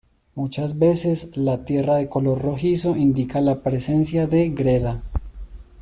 Muchas veces la tierra de color rojizo indica la presencia de greda.